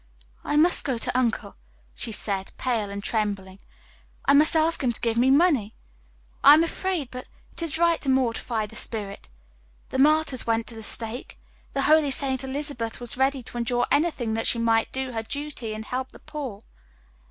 "I must go to uncle," she said, pale and trembling. "I must ask him to give me money. I am afraid, but it is right to mortify the spirit. The martyrs went to the stake. The holy Saint Elizabeth was ready to endure anything that she might do her duty and help the poor."